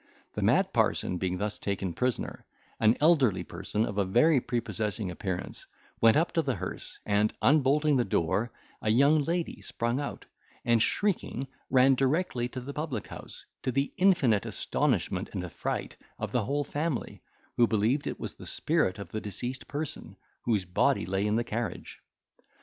The mad parson being thus taken prisoner, an elderly person, of a very prepossessing appearance, went up to the hearse, and, unbolting the door, a young lady sprung out, and shrieking, ran directly to the public house, to the infinite astonishment and affright of the whole family, who believed it was the spirit of the deceased person, whose body lay in the carriage.